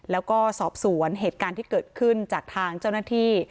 แล้วก็สอบสวนเหตุการณ์ที่เกิดขึ้นจากทางเจ้าหน้าที่